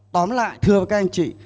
tóm lại thưa các anh chị